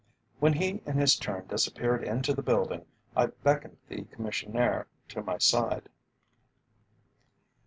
When he in his turn disappeared into the building, I beckoned the Commissionaire to my side.